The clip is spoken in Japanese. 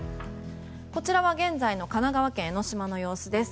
こちらは現在の神奈川県・江の島の様子です。